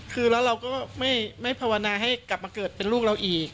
คือแล้วเราก็ไม่ภาวนาให้กลับมาเกิดเป็นลูกเราอีก